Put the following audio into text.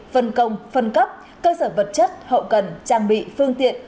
phân công phân cấp cơ sở vật chất hậu cần trang bị phương tiện